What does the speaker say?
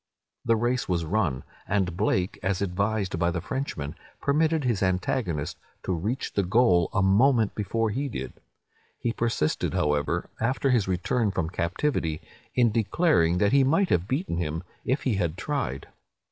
The race was run; and Blake, as advised by the Frenchman, permitted his antagonist to reach the goal a moment before he did. He persisted, however, after his return from captivity, in declaring that he might have beaten him, if he had tried.